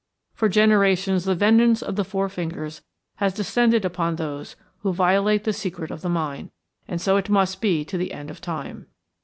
For generations the vengeance of the Four Fingers has descended upon those who violate the secret of the mine, and so it must be to the end of time.